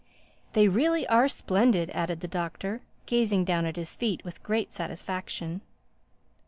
They really are splendid," added the Doctor, gazing down at his feet with great satisfaction.